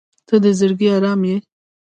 • ته د زړګي ارام یې.